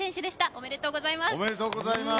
おめでとうございます。